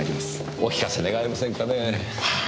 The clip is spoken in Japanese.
お聞かせ願えませんかねぇ？